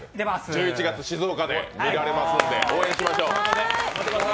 １１月、静岡で見られますので応援しましょう。